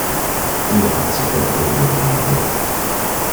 He ought to quit worrying about it.